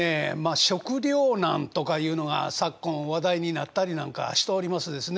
食糧難とかいうのが昨今話題になったりなんかしておりますですね。